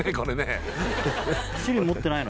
あっ持ってないの？